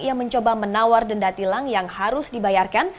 ia mencoba menawar denda tilang yang harus dibayarkan